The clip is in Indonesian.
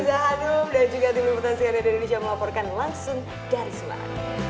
aziza hanum dan juga tim imutansi yang ada di dijam laporkan langsung dari semarang